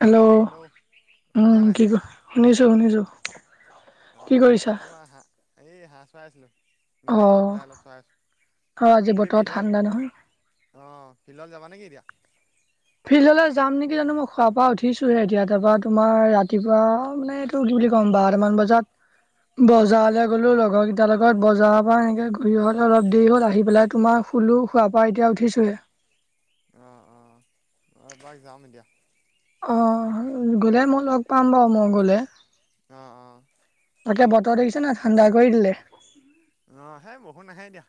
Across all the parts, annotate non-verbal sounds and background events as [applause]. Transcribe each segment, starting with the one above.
Hello শুনিছা উম, নাই কি কয় শুনিছো শুনিছো। অ কি ', অ', কৰিছা এই তোমাৰ হাঁহ চৰাই আছিলো। [unintelligible] অ আহ পেলাই অলপ চাহ অ আজি সেই বতৰ ফিলত। ঠাণ্ডা নহয় অ', ফিল্ডত যাবা নেকি এতিয়া? ফিল্ডলৈ যাম নেকি জানো মই শোৱাৰ পৰা উঠিছোহে এতিয়া তাৰপা তুমাৰ ৰাতিপুৱা মানে কি বুলি ক'ম বাৰমান বজাত বজাৰলে গ'লো লগৰ কেইটাৰ লগত বজাৰৰ পৰা এনেকে ঘূৰি অহলে অলপ দেৰি হ'ল আহি পেলাই তোমাৰ শুলো শোৱাৰ পৰা এতিয়া উঠিছোঁহে। অ', অ'। অ', এপাক যাম এতিয়া। অ', গ'লে মই লগ পাম বাৰু মই গ'লে। অ', অ'। তাকে বতৰ দেকিছা নাই ঠাণ্ডা কৰি দিলে। অ', সেই বৰষুণ নাহে এতিয়া।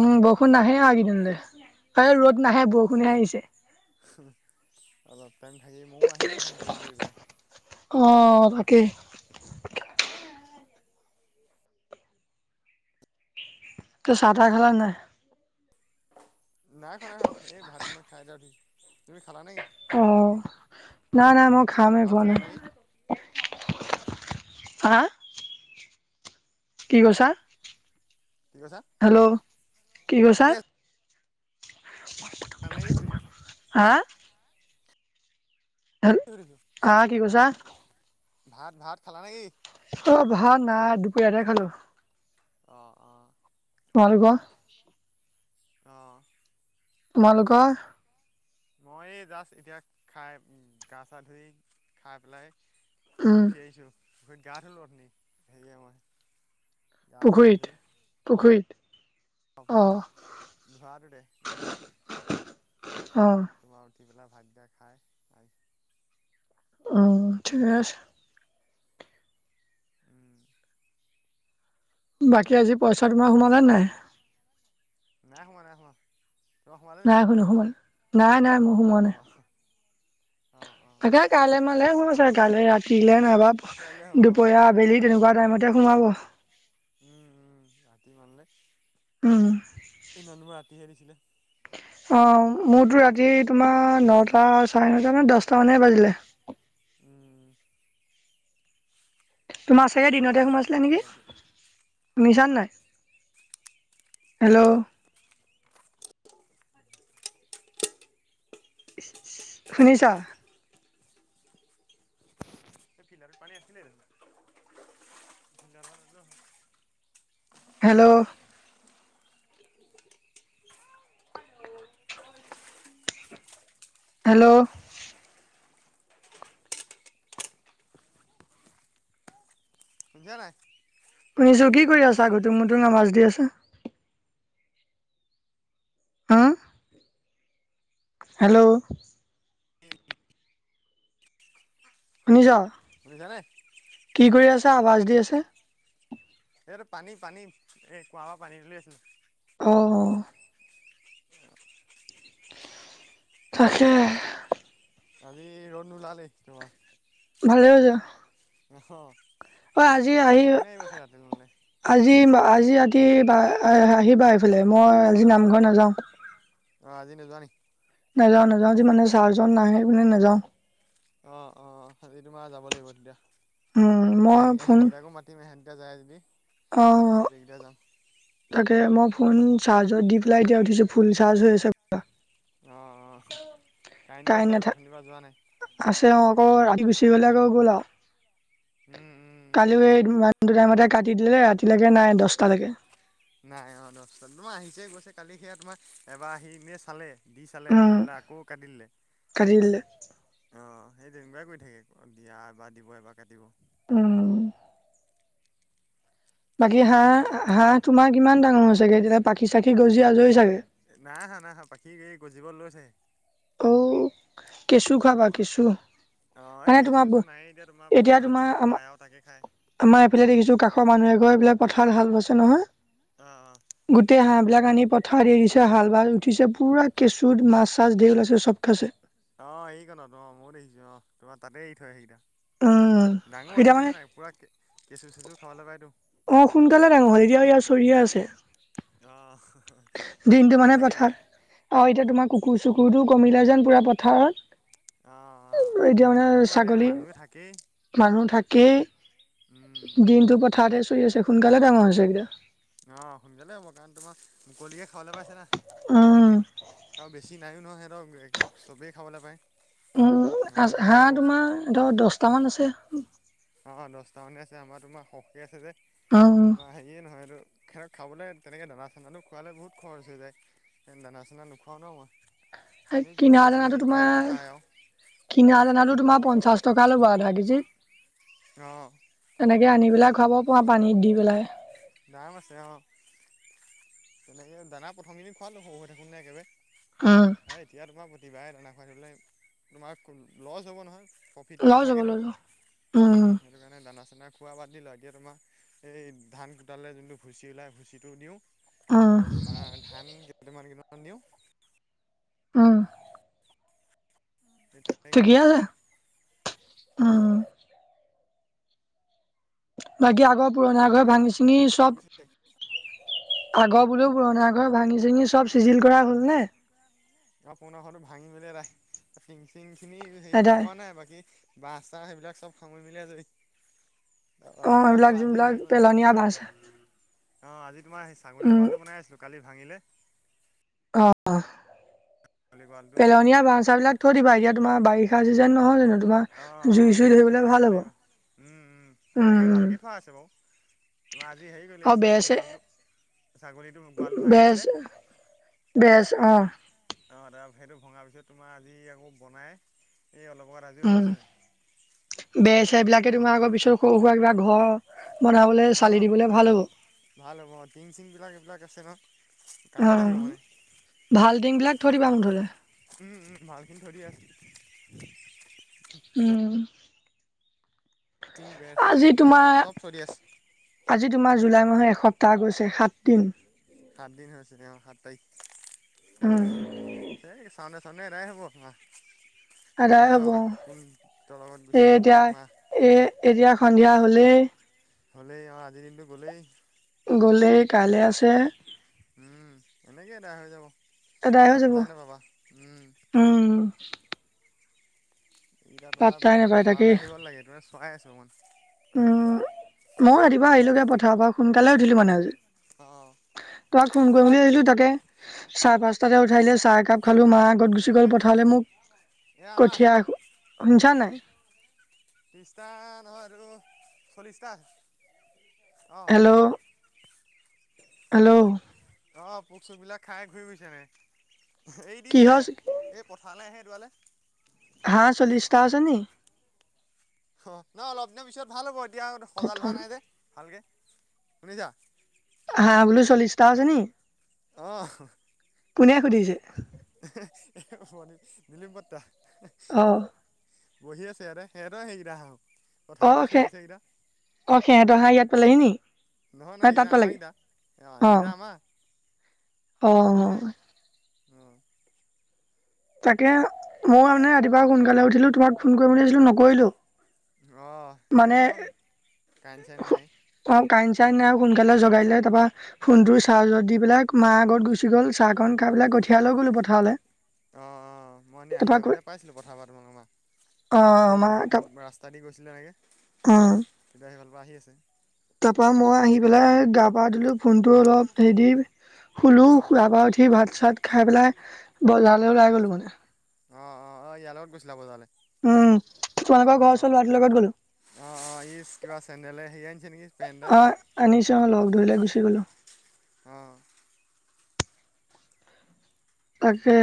উম, বৰষুণ নাহে আৰু কেইদিনলৈ কাইলে ৰ'দ নাহে বৰষুণহে আহিছে। উম, অলপ টাইম থাকি ময়ো আহিমগে সোনকালে দৌৰি পেলাই। অ', তাকে। ত' চাহ তাহ খালা নাই? নাই খোৱা নাই খোৱা এই ভাত [unintelligible] খাই এতিয়া উঠিচো, তুমি খালা নে কি? অ', নাই নাই মই খামে হে [unintelligible] অ'। হা? কি কৈছা? কি কৈছা খালো, কি কৈছা? শুনি [inaudible] [unintelligible] সুধিছো। আ? সুধিছোঁ আ কি কৈছা? ভাত ভাত খালা নে কি? অ', ভাল নাই দুপৰীয়াতে খালো। অ', অ'। তোমালোকৰ? অ'। তোমালোকৰ? মই জাষ্ট এতিয়া খাই গা চা ধুই খাই পেলাই উম, উঠি আহিছো গা ধুলো উঠনি হেৰিয়ে মই। গা চা পুখুৰীত ধুই পুখুৰীত? অ', পুখুৰীত [unintelligible] ধুই অ', তোমাৰ উঠি পেলাই ভাত দিয়া খায়। অ', ঠিকে আছে। উম। বাকী আজি পইচা তোমাৰ সোমালে নাই? নাই সোমোৱা নাই সোমোৱা। তোমাৰ সোমালে নি নাই নোসোমাল নাই নাই মোৰ সোমোৱা নাই। অ' অ', অ'। কাইলৈ মানেহে সোমাব চাগৈ কাইলৈ ৰাতিলৈ নাইবা কাইলৈ হ'ব অ দুপৰীয়া আবেলি তেনেকুৱা টাইমতে সোমাব। উম, উম, ৰাতি মানলে। উম। সেই দিনাখনো ৰাতিহে দিছিলে। অ', মোৰতো ৰাতি তোমাৰ নটা চাৰে নটা নানে দহট মানে বাজিলে। উম। তোমাৰ চাগে ৰ'বা দিনতে সোমাইছিলা পানী নেকি? অলপ লৈ লওঁ শুনিচানে নাই হেল্ল'? শুনিছা? সেই ফিল্টাৰতোত পানী আছিলে দেখোন [unintelligible] হেল্ল'। [inaudible] হেল্ল'। শুনিছানে নাই। শুনিছো কি কৰি আছা ঘুটুং মুুটুং আৱাজ দি আছে। হম? হেল্ল'। শুনিছ? শুনিছ নে? কি কৰি আছা আৱাজ দি আছে। এইটো পানী পানী এই কুঁৱাৰ পৰা পানী তুলি আছিলো। অ'। তাকে। আজি ৰ'দ নোলালে তোমাৰ। ভালে হৈছে। আহ। অ', আজি আহি আজি আজি ৰাতি বা আহিবা এইফালে মই আজি নামঘৰ নাযাওঁ। অ', আজি নোযোৱা নেকি? নাযাওঁ নাযাওঁ আজি মানে ছাৰজন নাহে বোলে নাযাওঁ। অ', অ', অ' আজি তোমাৰ যাব লাগিব তেতিয়া উম মই এহেত ফোন এহেতকিতাকো মাতি মাতিম ইহঁত কেইটা যায় যদি। অ' গোটেইকেইটা যাম তাকে মই ফোন চাৰ্জত দি পেলাই এতিয়া উঠিছো ফুল চাৰ্জ হৈ আছে অ', অ' কাৰেণ্টো আছে আকৈ অথনিৰ কাৰেণ্ট নাথা পৰা যোৱা নাই। আছে অ' আকৌ ৰাতি গুচি গলে আকৌ গ'ল আৰু উম', উম' কালিও এই ইমানটো টাইমতে কাটি দিলে ৰাতিলৈকে নাই দহটালৈকে। নাই অঁ' দহটা তোমাৰ আহিছে গৈছে কালি সেয়া তোমাৰ এবাৰ আহি এনেই চালে দি চালে উম চাই পেলাই আকৌ কাট দিলে। কাটি দিলে অ' সেই তেনেকুৱাই কৰি থাকে দিয়া এবাৰ দিব এবাৰ কাটিব। উম' আকৌ বাকী তাৰপিছত যেন হাঁহ হাঁহ তোমাৰ কিমান ডাঙৰ হৈছেগৈ তেতিয়া পাখি চাখি গজি আজৰি চাগৈ। নাই আহা নাই আহা পাখি এই গজিব লৈছেহে। অ' কেঁচু খাবা কেঁচু। অঁ' এই মানে কেঁচু তোমাৰ চেচু নাই এতিয়া তোমাৰ পথাৰত তোমাৰ যি আমাৰ পায় আৰু তাকে খায় আমাৰ এইফালে দেখিছো কাষৰ মানুহ এঘৰে এইবিলাক পথাৰত হাল বাইছে নহয়। অঁ', অঁ' গোটেই হাঁহবিলাক আনি পথাৰত এৰি দিছে হাল বাই উঠিছে পুৰা কেঁচুত মাছ চাছ ধেৰ ওলাইছে চব খাইছে। অ' সেই কনত অ' ময়ো দেখিছো অ' তোমাৰ তাতে এৰি থই সেইকেইটা উম, ডাঙৰ হৈছে এতিয়া মানে দেখিছা নে নাই পুৰা কেঁচু চেচু খাবলে পায়তো। অঁ' সোনকালে ডাঙৰ হই এতিয়াও ইয়াত চৰিয়ে আছে আহ' এই দিনটো সেইকণতে মানে থাকে পথাৰ সেইকেইটা। আৰু এতিয়া তোমাৰ কুকুৰ চুকুৰটো কমিলে যেন পুৰা পথাৰত অ', অ', এতিয়া মানে এই তোমাৰ এতিয়া ছাগলী মানুহে থাকেই মানুহ থাকেই। উম, দিনটো পথাৰতে চৰি আছে সোনকালে ডাঙৰ হৈছে এইকেইটা অ' সোনকালে হ'ব কাৰণ তোমাৰ মুকলিকে খাবলৈ পাইছে উম, না বেছি নাইও নহয় সিহঁতৰ চবেই খাবলৈ পায়। আমাৰ তোমাৰ উম'হাঁহ আকৌ তোমাৰ ধৰ দহটামান আছে। অ' দহটা মানে আছে আমাৰ তোমাৰ সৰহকে আছে যে উম। তোমাৰ হেৰীয়ে নহয় এইটো সিহঁতক খাবলৈ তেনেকৈ দানা চানাটো খোৱালে বহুত খৰচ হৈ যায় সেই দানা চানা নোখোৱাওঁ ন মই এই কিনা কেঁচু চেছু দানাটো যি তোমাৰ পায় খায় আৰু কিনা দানাতো তোমাৰ পঞ্চাশ টকা ল'ব আধা কেজিত অঁ' এনেকে আনি পেলাই খুৱাব পৰা পানীত দি পেলাই। দাম আছে অঁ' তেনেকৈ দানা প্ৰথমকেদিন খোৱালোঁ সৰু হৈ থাকোতে একেবাৰে উম' হয় এতিয়া তোমাৰ প্ৰতিবাৰে দানা খুৱাই থাকিবলৈ তোমাৰ লছ হ'ব নহয় ফিটটো লৈ যাব নাথাকেতো লৈ যাব উম। সেইটো কাৰণে দানা চানা খোৱা বাদ দিলোঁ এতিয়া তোমাৰ এই ধান সোতালে যোনটো ভুচি ওলায় ভুচিটো দিওঁ উম, আৰু তোমাৰ ধান কেইটামান কেইটামান দিওঁ উম' সেই তেনে ঠিকে আছে উম' বাকী আগৰ পুৰণা ঘৰ ভাঙি চিঙি চব আগৰ বোলেও পুৰণা ঘৰ ভাঙি চাঙি চব চিজিল কৰা হল নে? অ' পুৰণা ঘৰটো ভাঙিমেলি আদাই টিং চিং খিনি হেৰি এটাই সামৰা নাই বাকী বাঁহ চাহ সেইবিলাক চব সামৰি মেলি আজৰি। তাৰপা অ এতিয়া এইবিলাক তোমাৰ আজি যোনবিলাক হেৰি বনাই আছিলো পেলনীয়া বাছ চা অ আজি তোমাৰ স ছাগলী উম কঁৱালো বনাই আছিলো কালি ভাঙিলে অঁ ছাগলী গঁৰালটো পেলনীয়া বা্ছ বিলাক থৈ দিবা এতিয়া তোমাৰ বাৰিষা চিজন নহয় জানো অঁ তোমাৰ অঁ জুই চুই খৰি চৰি ধৰিবলে সেইকাৰণে ভাল হ'ব লাগিব, উম উম তাকে ভালকে থোৱা আছে বাৰ তোমাৰ আজি হেৰি কৰিলে এই আৰু বেৰ ছাগলী চেৰ গোৱালটো ছাগলীটো গোৱালটো ভাঙিছিলে বেছ অ অঁ দাদা সেইটো ভঙাৰ পিছত তোমাৰ আজি আকৌ বনাই এই অলপ আত আজিও হৈছোঁহে বেচ এইবিলাকে তোমাৰ আগৌ পিছত সৰু সুৰা কিবা ঘৰ বনাবলৈ অঁ চালি অঁ দিবলৈ ভাল হ'ব ভাল হ'ব টিং চিং বিলাক এইবিলাক আছে ন কামত আহিব অঁ মানে। ভালটিংবিলাক ধৰিবা মুঠলে উম উম ভালখিনি ধৰি আছো উম িং বোৰ আজি বছোৰ তোমাৰ চব চলি আছে আজি তোমাৰ জুলাই মাহৰ এসপ্তাহ গৈছে সাত দিন সাত দিন হৈছে তেওঁ অ সাত তাৰিখ উম সেইয় চাউনে চাউনে এৰাই হ'ব আপোনাৰ আদায় গমেই হব নাপাবা কোন তল লগত এই গুচি যাব এতিয়া একমাহ এ এতিয়া সন্ধিয়া হলেই হ'লেই আৰু আজিৰ দিনটো গ'লেই গ'লেই কাইলৈ আছে উম এনেকে বেয়া হৈ যাব সদায় হৈ যাব পাত্তাই নাপাবা উম উম এইকয়া তোমাৰ পাত্তাই নাপায় তাকেই পথাৰলৈ আহিব লাগে তোমে চোৱাই আছো অকমান উ ময়ো ৰাতিপুৱা আহিলোগৈ পথাৰৰ পৰা সোনকালে উঠিলো মানে আজি অ তোাক ফোন কৰিম বুলি ভাবিলো তাকে চাৰে পাঁচটাতে উঠাই দে চাহ একাপ খালোঁ মা আগত বুজিছে গুচি নে গ'ল পঠাৰলৈ মোক এয়া আমাৰ কঠীয়া শুনিছা নাই ত্ৰিশটা নহয় আৰু চল্লিশটা অ হেল্ল' হেল্ল' অঁ পোক চোকবিলাক খাই ঘূৰি গৈছেনেে এইৰি কি দিছোঁৱে হল এই পথাৰ নাই আহে এইডোৱালৈ হা চল্লিশটা আছেনি অ নহ অলপ দিনৰ পিছত ভাল হ'ব এতিয়া সজাোৱা খতম নাই যে ভালকে শুনিছা হাগলো চল্লছটা আছে নি অহ কোনে সুধিছে ম নলিম পটটা অ বহি আছেৰে হে ৰ সেইকেইটা হক অঁ খে অঁ সেহঁতৰ হাঁ ইয়াত পালহি নি নহয় নাই নহয় তাত সদা আমাৰ পালেগে সদা অ সিদ আমা অ সুধিছে অ তাকে ময়ো মানে ৰাতিপুৱা সোনকালে উঠিলোঁ তোমাক ফোন কৰি বুলি ভিছিলোঁ নকৰিলোঁ অঁ এই তোমই ক চন নাই অ কাইইন চাইনাই সোনকালে জগাই লে তাৰপৰা ফোনটোৰ চাৰ্জত দি পেলাই মাৰ আগত গুচি গ'ল চাহকণ কাহ পেলাই কঠিয়াই লৈ গ'লোঁ পথাৰলৈ অঁ অঁ মই এনেই আহি থাকোঁতে পাইছিলোঁ পথাাবৰা তোমাক অ আোমাৰ এই মা বহুত ত মই ৰাস্তা দি গৈছিলো এনেকে অ তেতিয়া সেইফালৰ পৰা আহি আছে তাৰ পৰাা মই আহি পেলাই গা পা ধিলো ফোনটো অলপ হেৰি দি শুলোঁ অ', শপ পৰা উঠি ভাত চাত খাই পেলাই বজাৰলৈ ওলাই গ'লোঁ মানে অ অ অ ইয়াৰ লগত গৈছিলা ব তাললে উম তোমালোকৰ ঘৰওচৰৰ লৰাটোৰ লগত গ'ল অ অ ই কিবা চেণ্ডেল হে আনিছে নেকি পেণ্ এ অ আনিছোঁ অ লগ ধৰিলে গুচি গ'লোঁ অঁ তাকে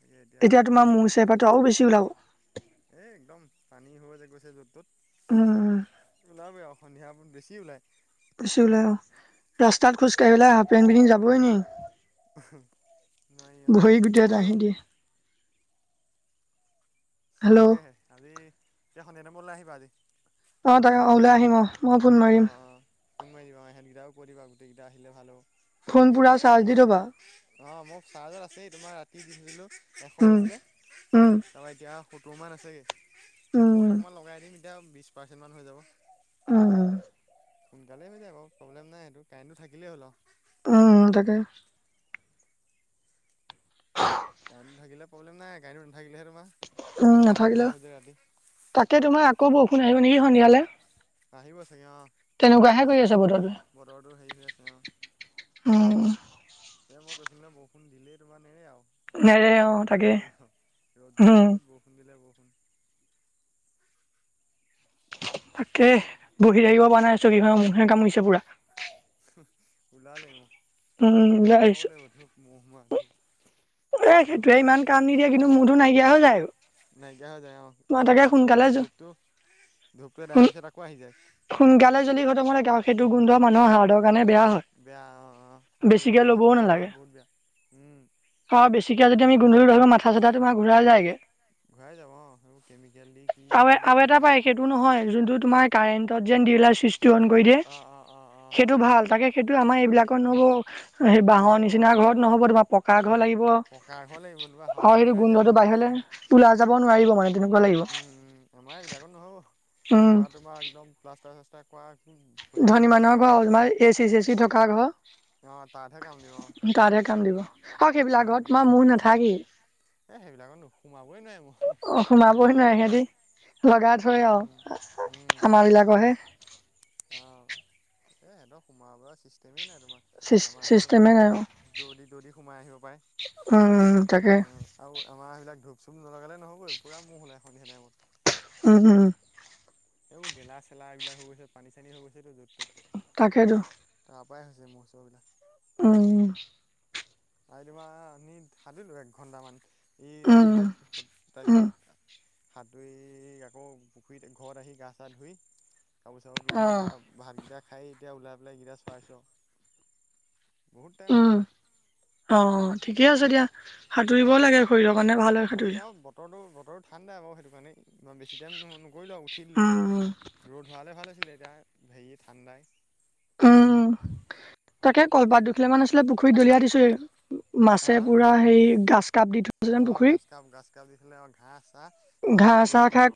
তাকে এতিয়া তেতিয়া আজি তোমাৰোৰ চেপাটো আৰু বেছিওলাব এ একদম পানী হৈ গৈছে য'ত তত উম উম ওলাবই আৰু সন্ধিয়া ব বেছি ওলায় গুছি বোললে অ ৰাস্তাত খোজ কঢ়িবাই হাফেন বিদিন যাবই নি নোৱাৰি অ', ভৰি গোটেই দাঁহি দিয়ে হেল্ল' তাকেহে আজি এতিয়া স এ নমৰলৈ আহিবা আজি অ তাকে অ ওলাই আহিম অ মই ফোন অঁ মাৰিম অঁ ফোন মাৰিবা অ ইহঁতকেইটাও ক দিবা গোটেইকেইটা আহিলে ভাল ফোন হ'ব পুৰা এনে চাৰ্জ দি অকমান থবা অ মোৰ চাৰ্জত আছে তোমাৰ ৰাতি দি থুছিলো এশ উম হৈছিলে উম তাৰপৰা এতিয়া সত্তৰ মান আছেগে উম আকৌ অকণমান লগাই দিমেকি এতিয়া বিশছ পাৰ্চেণ্টমান হৈ যাব অ সোনকালেই মিল আক প্ৰব্লেম নাই সটো কাৰেণ্টো থাকিলেই হ'ল আৰু উম ত তাকে [inaudible] গড়ীটো থিলে প্ৰব্লে নাইাডীটো নাথিলে তমাৰ উম নাথাকিলে তাকে তোমাৰ আকৌ বৰষুণ আহিব নেকি সন্ধিয়ালে আহিব চাগে অ পুৰা তেনেকুৱাহে কৰি আছে বতৰটোৱে বতৰটো হেৰি হৈ আছে অ [unintelligible] এ মই কৈছিলো নে বৰষুণ দিলেই তোৰ এ নেৰে আৰু অ ৰেগুলাৰ তাকে দি থ অ ৰ'দ দিলে উম ৰ'দ বৰষুণ দিলে বৰষুণ তাকে বহি থাকিব পৰা নাই চ কি মখনে কাম কৰিছে পুৰা ওলালাগ ম উম ধূপ ওলাই লগাব আহিছো লাগিব ধূপ মহহোমা ধপ এ সেইটোৱে ইমান কাম নিদিয়ে কিন্তু মোৰতো নাইকিয়া হৈ যায় আৰু নাইকিয়া হৈ যায় অ মই তাকে সোনকালে এই ধূপটো ধূপটো সোন দেখাৰ পিছত আকৌ আহি যায় সোনকালে জ্বি ঘটবাব লাগে সেই গোন্ধ মানুৰ সাহাৰ দক কাৰণে বেয়া বেয়া অ হয় এইবোৰ বেছিকে উশাহ ল'বও চোশাহ লোৱাত নালাগে বহুত বেয়া উম অ বেছিক বহুত যদি আমি হেৰি নহয় গধলি এইবিলাক ধৰিা মাথা চা তোমাৰ ঘৰাইায়গে ঘূৰাই যাব অ সেইবোৰ কেমিকেল দি কি দি বনোৱা ঠিক নাই ন সটো ভাল তে সেইটো অ অ অ অ অ আমাৰ এইবিলাকত নহ'ব সেই বাঁহৰ নহ'ব অ নিচিনা ঘৰত নহ'ব তোমাৰ পকা ঘৰ লাগিব অ পকা ঘৰ লাগিব তোমাৰ হাৱাটো সেইটো ওলাই যায় গোন্ধটো নহয় আমাৰ বাহিৰলৈ তোৰলা যাব নোৱাৰিব মানে তেনেকুৱা লাগিব আমাৰে বিলাকত নহয় উম পঢ় তোমাৰ একদম প্লাষ্টাৰ চাষ্টাৰ কৰা হেৰি ধনী চেৰি মানুহৰ নথকা ঘৰ তোমাৰ এ চি চে চি থকা ঘৰ অ তাতহে কাম দিব অ তাতহে কাম দিব আৰু সেইবিলাকৰত তোমাৰ মহ নাথাকি এ সেইবিলাকত নোসোমাবই নোৱি মোৰ অ এনেই সোমাবই নোৱাৰে লগাই থয় আৰু সিহঁতি লগাই থয় উম আৰু উম আমাৰাবিলাকৰহে অ এ সিহঁতৰ সোমাব চিষ্টেমেই নাই তোমাৰ আমাৰাহে চিষ্টেমে নাই আৰু। তোমাৰ যদি যদি সোমাই আহিব উম উম তাকে পাৰে আৰু আমাৰ সবিলাক ধূপ চুপ নলগালে নহবই পুৰা ম মহ হল এখন সিনোইমত উম উম এইবোৰ গেলা চেলা এইবিলাক হৈ গৈছে পানী চানী হৈ গৈছেতটো য'ত তাকেতো ত'ত তাৰ পৰাৰাই হৈছে মোৰ ওৰবিলাক উম। আই তোমাৰ সাতোঁৰিলো এক ঘন্টামান। ই উম আহিলে উম তাৰপিছত সাঁতুৰি আকৌ পুখুৰীত ঘৰত আহি গা চা ধুই কাপোৰ চাপোৰ অ পিন্ধি ঘা ভাতকেইটা খাই এতিয়া ওলাই পেলাই এইকেইটা চৰাইছোঁ আৰু বহুত টাইম উম সাতুৰিলোঁ। অ', অ', ঠিকে আছে দিয়া সাঁতুৰিবও অঁ লাগে শৰীৰৰ কাৰণে ভাল হয় আজি সাঁতুৰিলে। তেওঁ বতৰটো বতৰ ঠাণ্ডাই আৰুৌ সেইটো কাৰণে। মই বেছি টাইম নকৰিলো উঠি দিলোঁ উম ৰ'দ হোৱালে ভাল আছিলে এতিয়া হেৰি ঠাণ্ডাই। উম, তাকে কলপাত মানে দুখিলা মান আছিলে পুখুৰীত দলিয়াই দিছো। অ মাছে পুৰা হেৰি গ্ৰাছ কাপ দি থৈছে যেন অ', পুখুৰীত গ্ৰাছ কাপ গ্ৰাজ কাপ দি থ'লে অ' ঘাঁহ চাহ চব ঘাঁহ খাই চাহ দিব তোমাৰ।